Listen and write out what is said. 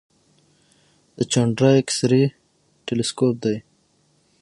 د چانډرا ایکس رې تلسکوپ دی.